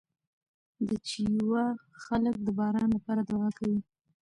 د چیواوا خلک د باران لپاره دعا کوي.